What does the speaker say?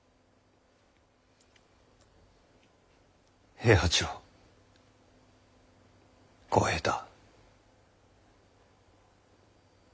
平八郎小平太。